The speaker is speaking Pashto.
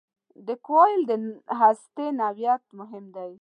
د کوایل د هستې نوعیت مهم دی.